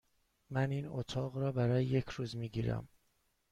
من این اتاق را برای یک روز می گیرم.